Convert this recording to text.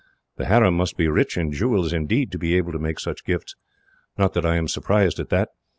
"The harem must be rich in jewels, indeed, to be able to make such gifts. Not that I am surprised at that.